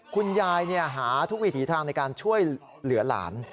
คุณยายหาทุกวิถีทางในการช่วยเหลือหลาน